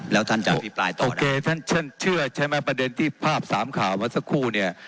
แล้วท่านจะอภิปรายต่อโอเคท่านเชื่อใช่ไหมประเด็นที่ภาพสามข่าวมาสักครู่เนี่ย